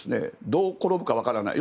どう転ぶかわからない。